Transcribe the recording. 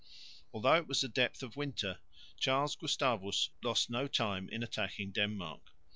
Although it was the depth of winter Charles Gustavus lost no time in attacking Denmark.